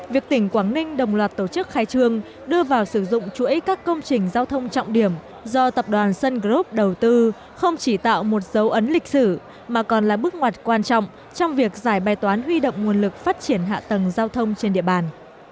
việc tỉnh quảng ninh đồng loạt tổ chức khai trương đưa vào sử dụng chuỗi các công trình giao thông trọng điểm do tập đoàn sun group đầu tư không chỉ tạo một dấu ấn lịch sử mà còn là bước ngoặt quan trọng trong việc giải bài toán huy động nguồn lực phát triển hạ tầng giao thông trên địa bàn